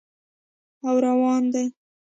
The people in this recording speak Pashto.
او روان دي